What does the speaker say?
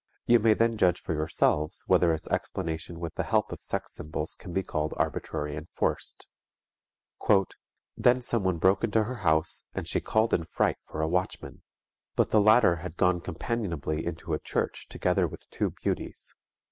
You may then judge for yourselves whether its explanation with the help of sex symbols can be called arbitrary and forced. "_Then someone broke into her house and she called in fright for a watchman. But the latter had gone companionably into a church together with two 'beauties.'